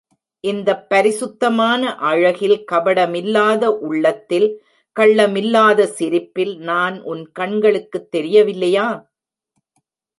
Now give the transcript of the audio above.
இந்தப் பரிசுத்தமான அழகில், கபடமில்லாத உள்ளத்தில், கள்ளமில்லாத சிரிப்பில் நான் உன் கண்களுக்குத் தெரிய வில்லையா?